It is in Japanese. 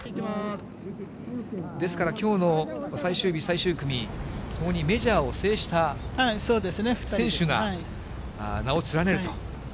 ですからきょうの最終日、最終組、ともにメジャーを制した選手が名を連ねると。